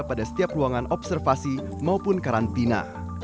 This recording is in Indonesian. pada setiap ruangan observasi maupun karantina